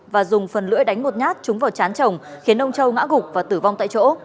và dùng phần lưỡi đánh một nhát trúng vào chán chồng khiến ông châu ngã gục và tử vong tại chỗ